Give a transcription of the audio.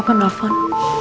apa om baik